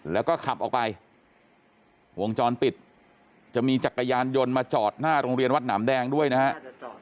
แล้วก็ขับออกไปวงจรปิดจะมีจักรยานยนต์มาจอดหน้าโรงเรียนวัดหนามแดงด้วยนะครับ